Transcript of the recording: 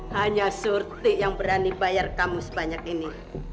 hanya surti yang berani bayar kamu sebanyak ini